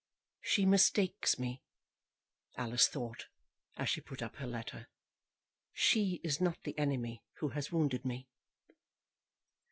"She mistakes me," Alice thought, as she put up her letter. "She is not the enemy who has wounded me."